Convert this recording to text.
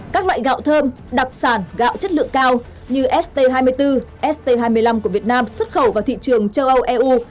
các loại gạo thơm đặc sản gạo chất lượng cao như st hai mươi bốn st hai mươi năm của việt nam xuất khẩu vào thị trường châu âu eu